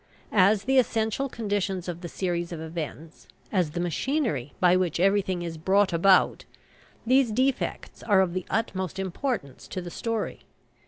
As the essential conditions of the series of events, as the machinery by which everything is brought about, these defects are of the utmost importance to the story.